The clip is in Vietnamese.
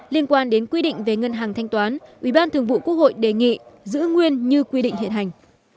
liên quan đến quy định về ngân hàng thanh toán ubthqh đề nghị giữ nguyên như quy định hiện hành